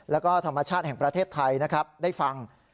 แล้วก็ธรรมชาติแห่งประเทศไทยนะครับได้ฟัง